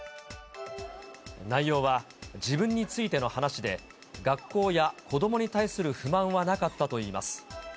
内容は自分についての話で、学校や子どもに対する不満はなかったといいます。